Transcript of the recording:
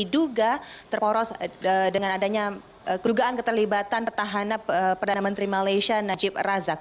yang kedua terporos dengan adanya kedugaan keterlibatan pertahanan perdana menteri malaysia najib razak